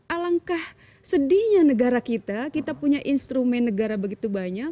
alangkah sedihnya negara kita kita punya instrumen negara begitu banyak